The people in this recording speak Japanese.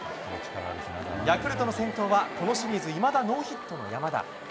ヤクルトの先頭は、このシリーズいまだノーヒットの山田。